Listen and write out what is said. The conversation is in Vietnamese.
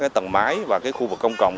tầng mái và khu vực công cộng